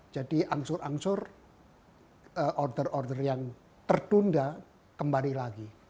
angsur angsur order order yang tertunda kembali lagi